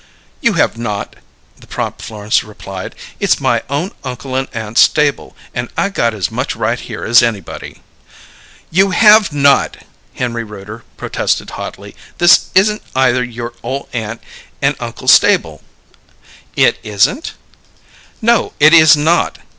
"You have not," the prompt Florence replied. "It's my own uncle and aunt's stable, and I got as much right here as anybody." "You have not!" Henry Rooter protested hotly. "This isn't either your ole aunt and uncle's stable." "It isn't?" "No, it is not!